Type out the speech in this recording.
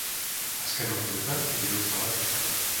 Azken orduetan heriotza bat izan da.